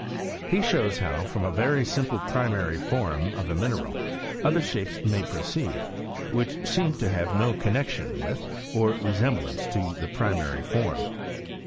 He shows how, from a very simple primary form of a mineral, other shapes may proceed, which seem to have no connexion with, or re semblance to the primary form.